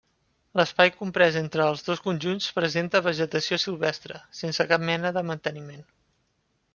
L'espai comprès entre els dos conjunts presenta vegetació silvestre, sense cap mena de manteniment.